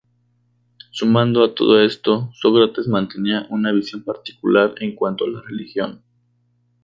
Sumado a todo esto, Sócrates mantenía una visión particular en cuanto a la religión.